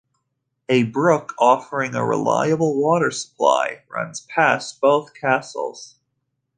A brook, offering a reliable water supply, runs past both castles.